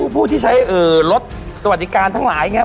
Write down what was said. ผู้ที่ใช้รถสวัสดิการทั้งหลายเนี่ย